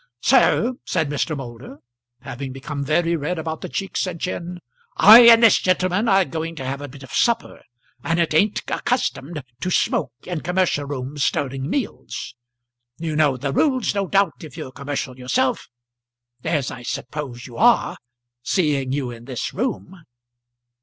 "Sir," said Mr. Moulder, having become very red about the cheeks and chin, "I and this gentleman are going to have a bit of supper, and it ain't accustomed to smoke in commercial rooms during meals. You know the rules no doubt if you're commercial yourself; as I suppose you are, seeing you in this room."